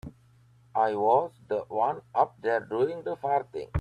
I was the one up there doing the farting.